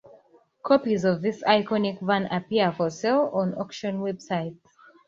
Copies of this iconic van appear for sale on auction websites.